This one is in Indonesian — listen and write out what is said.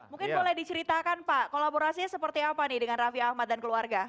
mungkin boleh diceritakan pak kolaborasinya seperti apa nih dengan raffi ahmad dan keluarga